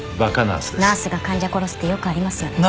ナースが患者殺すってよくありますよね。